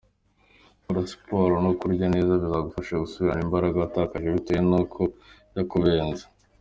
Gukora siporo no kurya neza bizagufasha gusubirana imbaraga watakaje bitewe n’uko yakubenze.